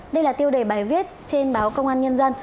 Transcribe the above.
đây là tiêu đề bài viết trên báo công an nhân dân